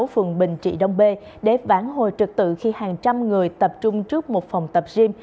phường bình trị đông bê để phản hồi trực tự khi hàng trăm người tập trung trước một phòng tập gym